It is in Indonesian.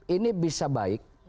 ini bisa baik